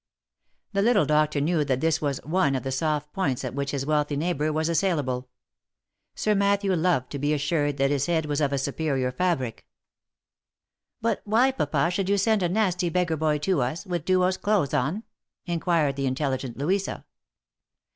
The little doctor knew that this was one of the soft points at which his wealthy neighbour was assailable. Sir Matthew loved to be assured that his head was of a superior fabric. " But why, papa, should you send a nasty beggar boy to us, with Duo's clothes on ?" inquired the intelligent Louisa.